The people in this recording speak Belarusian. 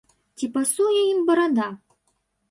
Ці пасуе ім барада?